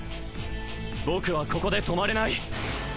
僕はここで止まれない！